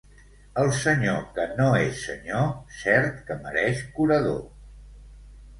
El senyor que no és senyor, cert que mereix curador.